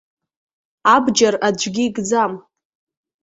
Абџьар аӡәгьы икӡам.